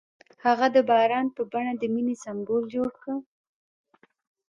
هغه د باران په بڼه د مینې سمبول جوړ کړ.